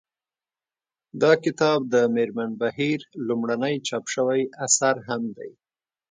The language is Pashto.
دا کتاب د مېرمن بهیر لومړنی چاپ شوی اثر هم دی